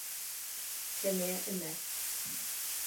Chemie i mech.